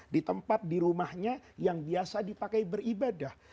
di tempat di rumahnya yang biasa dipakai beribadah